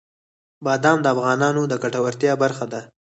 بادام د افغانانو د ګټورتیا برخه ده.